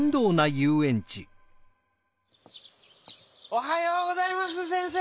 おはようございます先生！